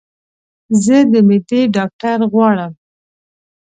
زه د معدي ډاکټر غواړم